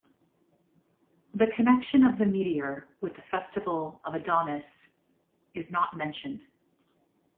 The connection of the meteor with the festival of Adonis is not mentioned.